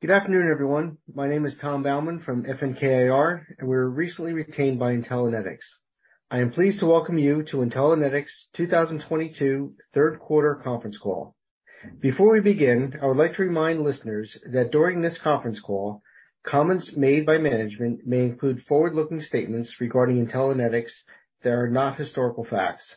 Good afternoon, everyone. My name is Tom Baumann from FNK IR, and we were recently retained by Intellinetics. I am pleased to welcome you to Intellinetics' 2022 third quarter conference call. Before we begin, I would like to remind listeners that during this conference call, comments made by management may include forward-looking statements regarding Intellinetics that are not historical facts.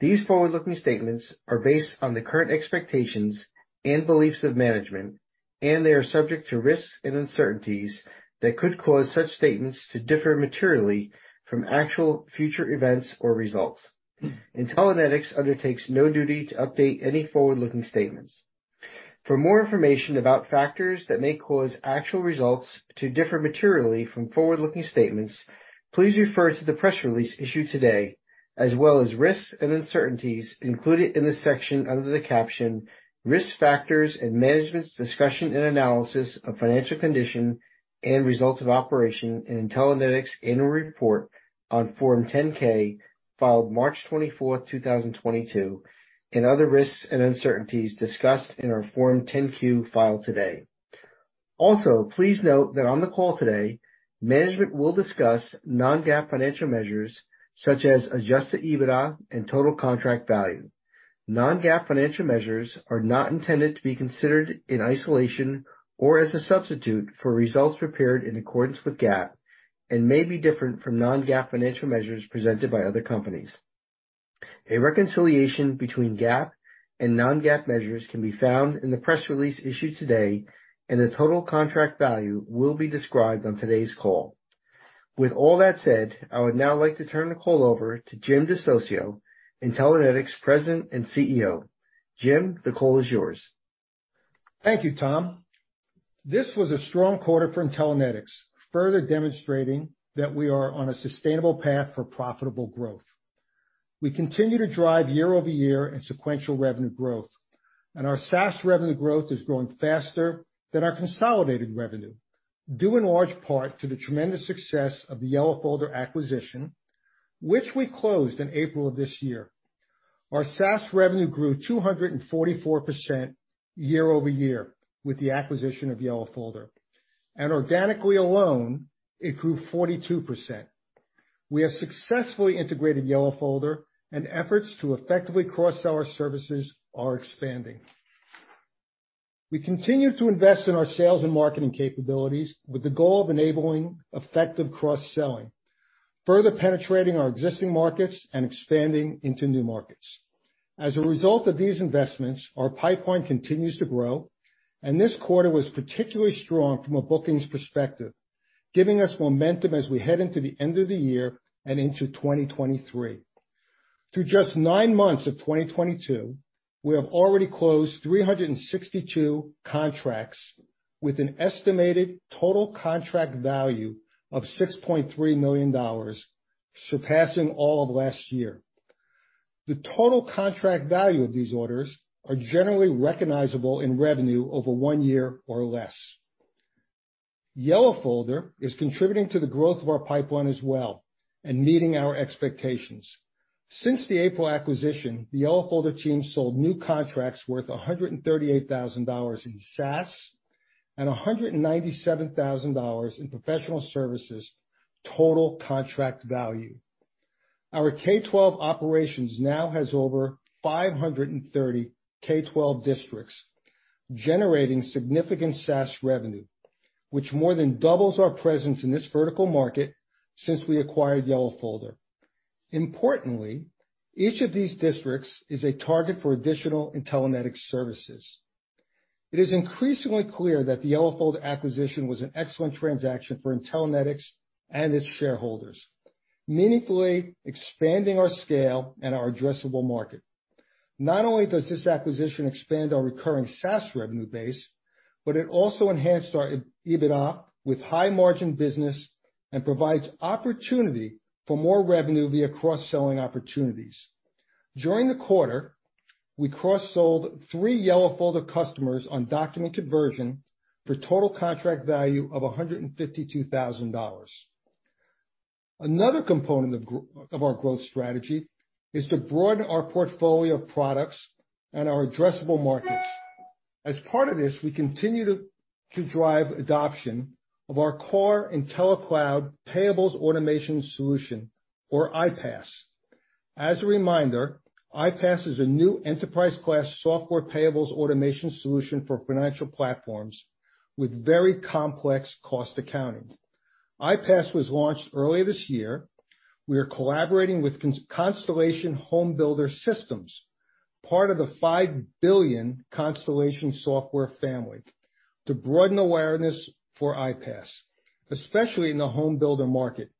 These forward-looking statements are based on the current expectations and beliefs of management, and they are subject to risks and uncertainties that could cause such statements to differ materially from actual future events or results. Intellinetics undertakes no duty to update any forward-looking statements. For more information about factors that may cause actual results to differ materially from forward-looking statements, please refer to the press release issued today, as well as risks, and uncertainties included in the section under the caption "Risk Factors and Management's Discussion and Analysis of Financial Condition and Results of Operations" in Intellinetics annual report on Form 10-K filed March 24, 2022, and other risks and uncertainties discussed in our Form 10-Q filed today. Also, please note that on the call today, management will discuss non-GAAP financial measures such as adjusted EBITDA and total contract value. Non-GAAP financial measures are not intended to be considered in isolation or as a substitute for results prepared in accordance with GAAP and may be different from non-GAAP financial measures presented by other companies. A reconciliation between GAAP and non-GAAP measures can be found in the press release issued today, and the total contract value will be described on today's call. With all that said, I would now like to turn the call over to Jim DeSocio, Intelligenics' President and CEO. Jim, the call is yours. Thank you, Tom. This was a strong quarter for Intellinetics, further demonstrating that we are on a sustainable path for profitable growth. We continue to drive year-over-year and sequential revenue growth, and our SaaS revenue growth is growing faster than our consolidated revenue due in large part to the tremendous success of the Yellow Folder acquisition, which we closed in April of this year. Our SaaS revenue grew 244% year-over-year with the acquisition of Yellow Folder. Organically alone, it grew 42%. We have successfully integrated Yellow Folder, and efforts to effectively cross-sell our services are expanding. We continue to invest in our sales, and marketing capabilities with the goal of enabling effective cross-selling, further penetrating our existing markets, and expanding into new markets. As a result of these investments, our pipeline continues to grow, and this quarter was particularly strong from a bookings perspective, giving us momentum as we head into the end of the year and into 2023. Through just nine months of 2022, we have already closed 362 contracts with an estimated total contract value of $6.3 million, surpassing all of last year. The total contract value of these orders are generally recognizable in revenue over one year or less. Yellow Folder is contributing to the growth of our pipeline as well, and meeting our expectations. Since the April acquisition, the Yellow Folder team sold new contracts worth $138,000 in SaaS and $197,000 in professional services' total contract value. Our K-12 operations now has over 530 K-12 districts, generating significant SaaS revenue, which more than doubles our presence in this vertical market since we acquired Yellow Folder. Importantly, each of these districts is a target for additional Intellinetics services. It is increasingly clear that the Yellow Folder acquisition was an excellent transaction for Intellinetics and its shareholders, meaningfully expanding our scale and our addressable market. Not only does this acquisition expand our recurring SaaS revenue base, but it also enhanced our EBITDA with high margin business, and provides opportunity for more revenue via cross-selling opportunities. During the quarter, we cross-sold three Yellow Folder customers on document conversion for total contract value of $152,000. Another component of our growth strategy is to broaden our portfolio of products and our addressable markets. As part of this, we continue to drive adoption of our core IntelliCloud Payables Automation Solution, or IPAS. As a reminder, IPAS is a new enterprise-class software payables automation solution for financial platforms with very complex cost accounting. IPAS was launched earlier this year. We are collaborating with Constellation HomeBuilder Systems, part of the $5 billion Constellation Software family, to broaden awareness for IPAS, especially in the home builder market.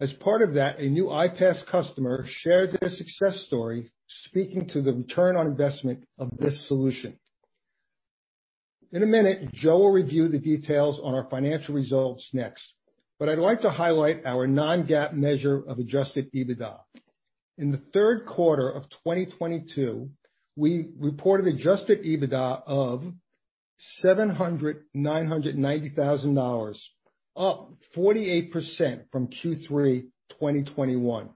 As part of that, a new IPAS customer shared their success story speaking to the return on investment of this solution. In a minute, Joe will review the details on our financial results next, but I'd like to highlight our non-GAAP measure of Adjusted EBITDA. In the third quarter of 2022, we reported Adjusted EBITDA of $799,000, up 48% from Q3 2021.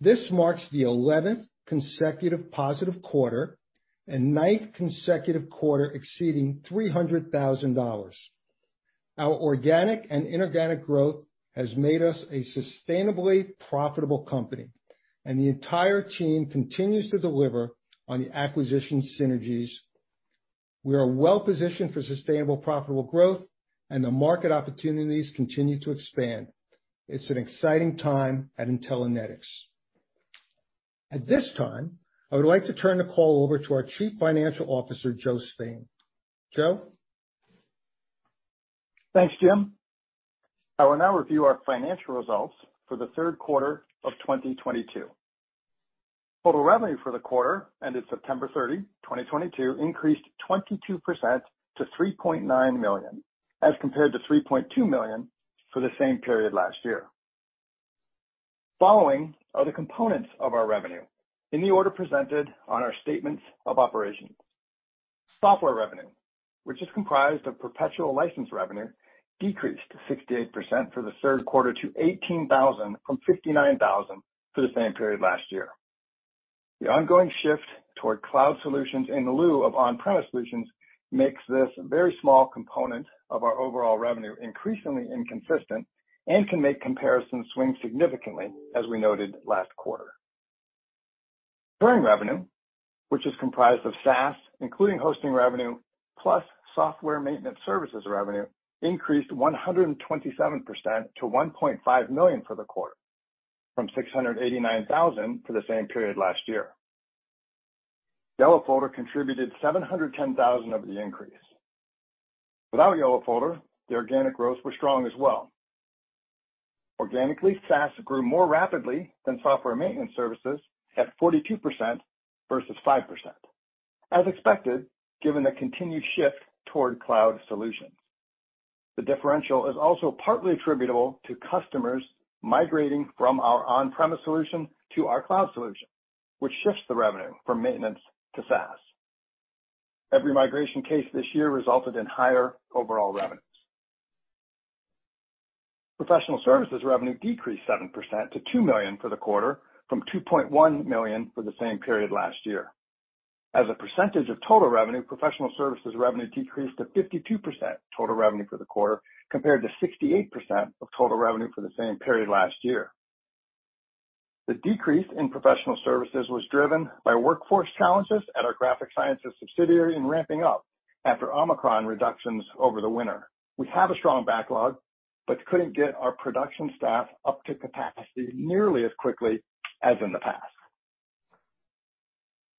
This marks the 11th consecutive positive quarter and 9th consecutive quarter exceeding $300,000. Our organic and inorganic growth has made us a sustainably profitable company, and the entire team continues to deliver on the acquisition synergies. We are well-positioned for sustainable, profitable growth, and the market opportunities continue to expand. It's an exciting time at Intellinetics. At this time, I would like to turn the call over to our Chief Financial Officer, Joe Spain. Joe? Thanks, Jim. I will now review our financial results for the third quarter of 2022. Total revenue for the quarter ended September 30, 2022 increased 22% to $3.9 million, as compared to $3.2 million for the same period last year. Following are the components of our revenue in the order presented on our statement of operations. Software revenue, which is comprised of perpetual license revenue, decreased 68% for the third quarter to $18,000 from $59,000 for the same period last year. The ongoing shift toward cloud solutions in lieu of on-premise solutions makes this a very small component of our overall revenue, increasingly inconsistent and can make comparisons swing significantly, as we noted last quarter. Recurring revenue, which is comprised of SaaS, including hosting revenue plus software maintenance services revenue, increased 127% to $1.5 million for the quarter, from $689,000 for the same period last year. Yellow Folder contributed $710,000 of the increase. Without Yellow Folder, the organic growth was strong as well. Organically, SaaS grew more rapidly than software maintenance services at 42% versus 5%, as expected, given the continued shift toward cloud solutions. The differential is also partly attributable to customers migrating from our on-premise solution to our cloud solution, which shifts the revenue from maintenance to SaaS. Every migration case this year resulted in higher overall revenues. Professional services revenue decreased 7% to $2 million for the quarter, from $2.1 million for the same period last year. As a percentage of total revenue, professional services revenue decreased to 52% of total revenue for the quarter, compared to 68% of total revenue for the same period last year. The decrease in professional services was driven by workforce challenges at our Graphic Sciences subsidiary and ramping up after Omicron reductions over the winter. We have a strong backlog, but couldn't get our production staff up to capacity nearly as quickly as in the past.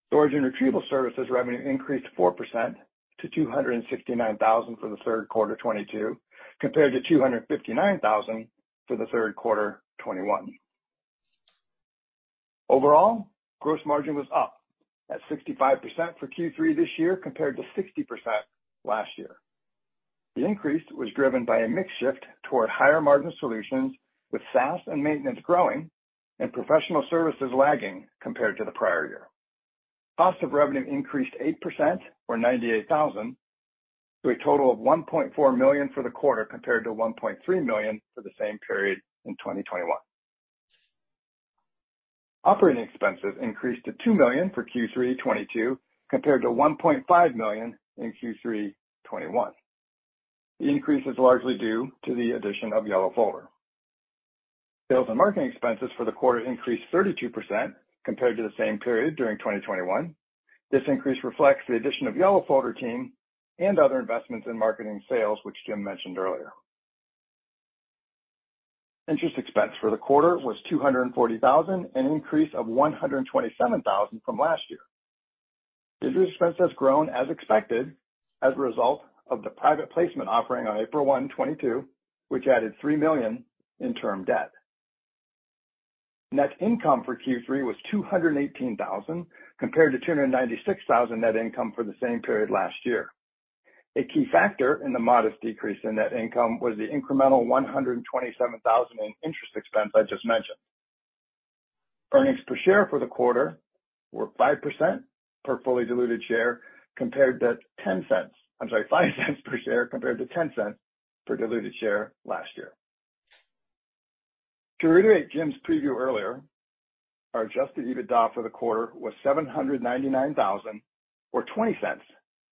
Storage and retrieval services revenue increased 4% to $269,000 for the third quarter 2022, compared to $259,000 for the third quarter 2021. Overall, gross margin was up at 65% for Q3 this year, compared to 60% last year. The increase was driven by a mix shift toward higher margin solutions, with SaaS and maintenance growing, and professional services lagging compared to the prior year. Cost of revenue increased 8% or $98,000 to a total of $1.4 million for the quarter, compared to $1.3 million for the same period in 2021. Operating expenses increased to $2 million for Q3 2022, compared to $1.5 million in Q3 2021. The increase is largely due to the addition of Yellow Folder. Sales and marketing expenses for the quarter increased 32% compared to the same period during 2021. This increase reflects the addition of Yellow Folder team and other investments in marketing sales, which Jim mentioned earlier. Interest expense for the quarter was $240,000, an increase of $127,000 from last year. Interest expense has grown as expected as a result of the private placement offering on April 1, 2022, which added $3 million in term debt. Net income for Q3 was $218,000, compared to $296,000 net income for the same period last year. A key factor in the modest decrease in net income was the incremental $127,000 in interest expense I just mentioned. Earnings per share for the quarter were $0.05 per share compared to $0.10 per diluted share last year. To reiterate Jim's preview earlier, our adjusted EBITDA for the quarter was $799,000, or $0.20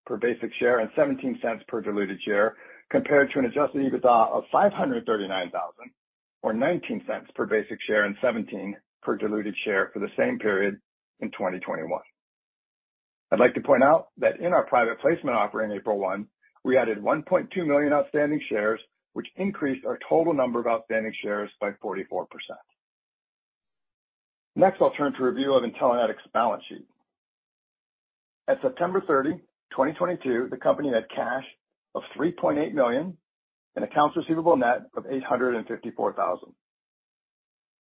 per basic share, and $0.17 per diluted share, compared to an adjusted EBITDA of $539,000 or $0.19 per basic share, and $0.17 per diluted share for the same period in 2021. I'd like to point out that in our private placement offer in April 1, we added 1.2 million outstanding shares, which increased our total number of outstanding shares by 44%. Next, I'll turn to review of Intellinetics' balance sheet. At September 30, 2022, the company had cash of $3.8 million and accounts receivable net of $854,000.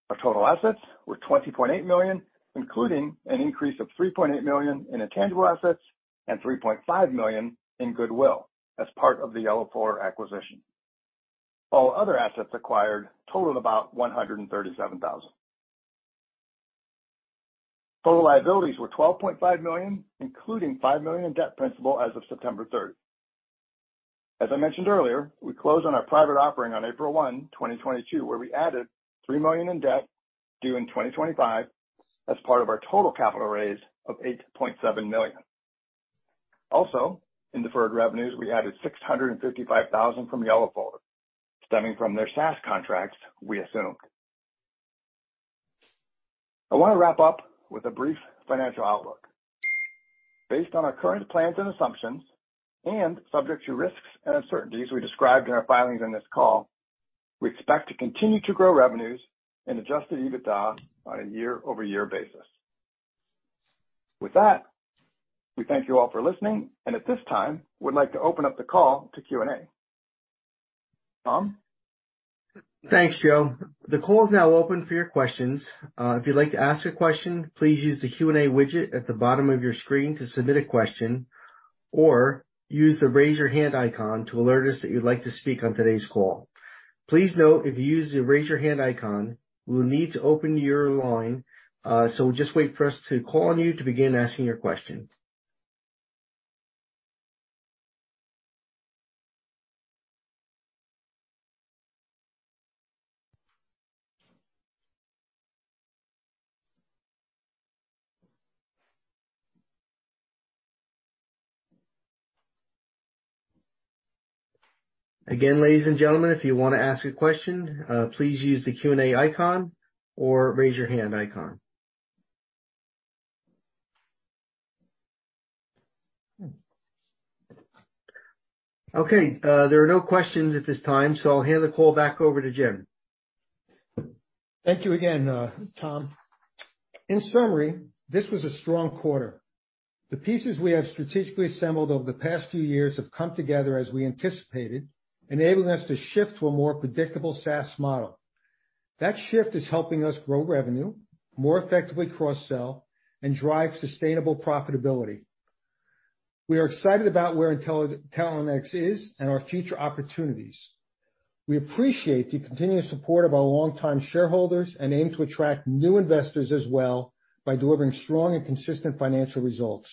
Our total assets were $20.8 million, including an increase of $3.8 million in intangible assets and $3.5 million in goodwill as part of the Yellow Folder acquisition. All other assets acquired totaled about $137,000. Total liabilities were $12.5 million, including $5 million in debt principal as of September third. As I mentioned earlier, we closed on our private offering on April 1, 2022, where we added $3 million in debt due in 2025 as part of our total capital raise of $8.7 million. Also, in deferred revenues, we added $655,000 from Yellow Folder, stemming from their SaaS contracts we assumed. I wanna wrap up with a brief financial outlook. Based on our current plans and assumptions and subject to risks and uncertainties we described in our filings on this call, we expect to continue to grow revenues and adjusted EBITDA on a year-over-year basis. With that, we thank you all for listening, and at this time, would like to open up the call to Q&A. Tom? Thanks, Joe. The call is now open for your questions. If you'd like to ask a question, please use the Q&A widget at the bottom of your screen to submit a question, or use the Raise Your Hand icon to alert us that you'd like to speak on today's call. Please note if you use the Raise Your Hand icon, we'll need to open your line, so just wait for us to call on you to begin asking your question. Again, ladies and gentlemen, if you wanna ask a question, please use the Q&A icon or Raise Your Hand icon. Okay, there are no questions at this time, so I'll hand the call back over to Jim. Thank you again, Tom. In summary, this was a strong quarter. The pieces we have strategically assembled over the past few years have come together as we anticipated, enabling us to shift to a more predictable SaaS model. That shift is helping us grow revenue, more effectively cross-sell, and drive sustainable profitability. We are excited about where Intellinetics is and our future opportunities. We appreciate the continuous support of our longtime shareholders and aim to attract new investors as well by delivering strong and consistent financial results.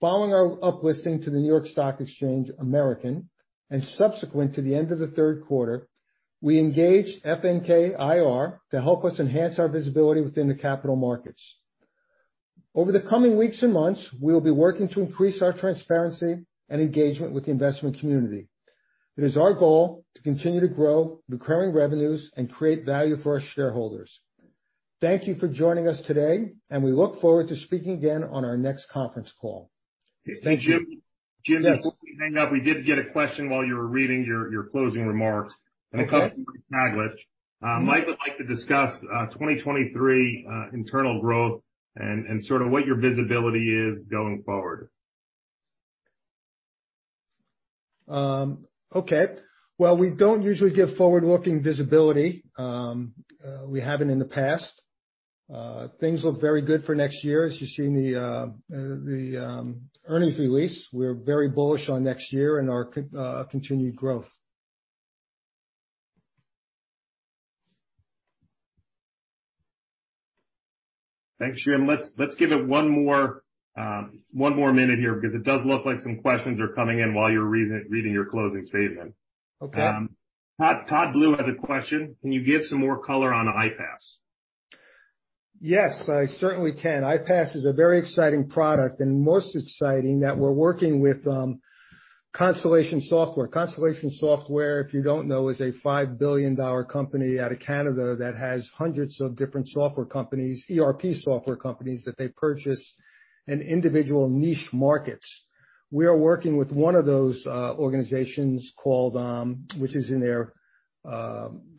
Following our up-listing to the NYSE American, and subsequent to the end of the third quarter, we engaged FNK IR to help us enhance our visibility within the capital markets. Over the coming weeks and months, we'll be working to increase our transparency and engagement with the investment community. It is our goal to continue to grow recurring revenues and create value for our shareholders. Thank you for joining us today, and we look forward to speaking again on our next conference call. Thank you. Jim? Yes. Jim, before we hang up, we did get a question while you were reading your closing remarks. Okay. It comes from Taglich. Mike would like to discuss 2023 internal growth and sort of what your visibility is going forward. Okay. Well, we don't usually give forward-looking visibility. We haven't in the past. Things look very good for next year. As you see in the earnings release, we're very bullish on next year and our continued growth. Thanks, Jim. Let's give it one more minute here because it does look like some questions are coming in while you were reading your closing statement. Okay. Todd Blue has a question. Can you give some more color on IPAS? Yes, I certainly can. IPAS is a very exciting product, and most exciting that we're working with Constellation Software. Constellation Software, if you don't know, is a $5 billion company out of Canada that has hundreds of different software companies, ERP software companies, that they purchase in individual niche markets. We are working with one of those organizations which is in their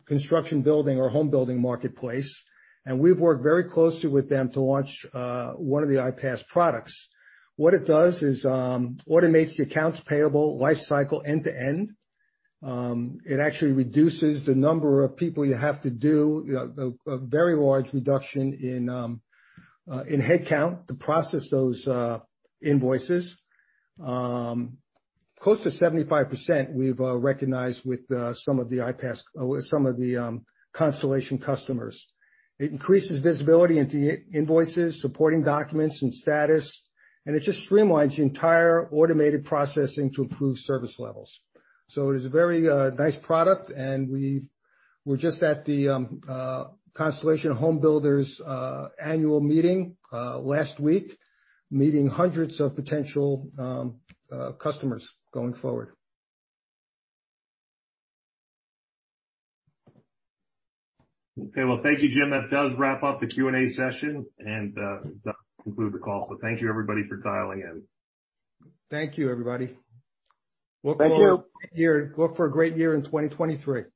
construction building or home building marketplace, and we've worked very closely with them to launch one of the IPAS products. What it does is automates the accounts payable life cycle end to end. It actually reduces the number of people you have to do, you know, a very large reduction in headcount to process those invoices. Close to 75% we've recognized with some of the IPAS with some of the Constellation HomeBuilder Systems customers. It increases visibility into invoices, supporting documents and status, and it just streamlines the entire automated processing to improve service levels. It is a very nice product and we're just at the Constellation HomeBuilder Systems annual meeting last week, meeting hundreds of potential customers going forward. Okay. Well, thank you, Jim. That does wrap up the Q&A session, and that will conclude the call. Thank you, everybody, for dialing in. Thank you, everybody. Thank you. We'll look forward to a great year. Look for a great year in 2023.